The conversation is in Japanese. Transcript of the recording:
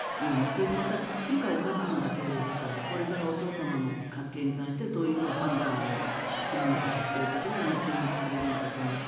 それでまた今回お母様だけですからこれからお父様の件に関してどういう判断をするのかも注目されるのかと思います。